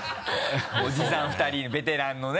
おじさん２人ベテランのね。